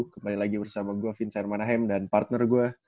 kembali lagi bersama gue vincent manahem dan partner gue